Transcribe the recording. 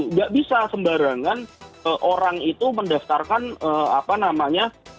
nggak bisa sembarangan orang itu mendaftarkan apa namanya